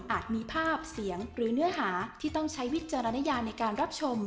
มีภาพเสียงหรือเนื้อหาที่ต้องใช้วิจารณญาในการรับชม